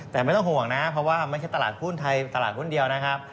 แต่ไม่ต้องห่วงนะเพราะว่าไม่ใช่ตลาดหุ้นไทยตลาดหุ้นเดียวนะครับ